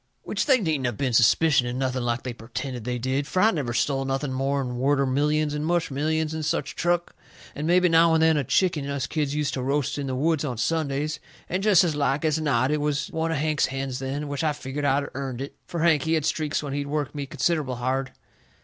Which they needn't of been suspicioning nothing like they pertended they did, fur I never stole nothing more'n worter millions and mush millions and such truck, and mebby now and then a chicken us kids use to roast in the woods on Sundays, and jest as like as not it was one of Hank's hens then, which I figgered I'd earnt it. Fur Hank, he had streaks when he'd work me considerable hard.